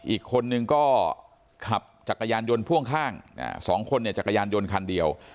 อีกคนนึงก็ขับจักรยานยนต์พ่วงข้าง๒คนเนี่ยจักรยานยนต์คันเดียว